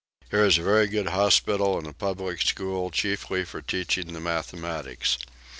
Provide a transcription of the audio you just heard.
Here is a very good hospital and a public school, chiefly for teaching the mathematics.